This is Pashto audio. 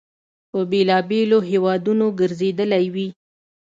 په بېلابېلو هیوادونو ګرځېدلی وي.